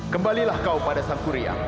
kembalilah kau pada sankuria